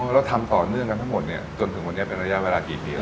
แล้วทำต่อเนื่องกันทั้งหมดเนี่ยจนถึงวันนี้เป็นระยะเวลากี่ปีแล้ว